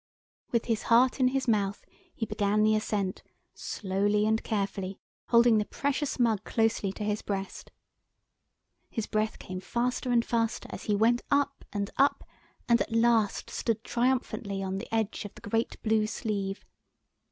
With his heart in his mouth he began the ascent, slowly and carefully, holding the precious mug closely to his breast. His breath came faster and faster as he went up and up, and at last stood triumphantly on the edge of the great blue sleeve.